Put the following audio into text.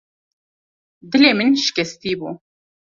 Dilê min şikestî bû.